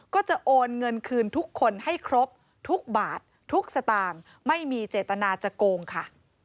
ก็จะโอนเงินคืนทุกคนให้ครบทุกบาททุกสตางค์ไม่มีเจตนาจะโกงค่ะ